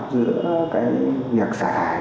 giữa việc sát thải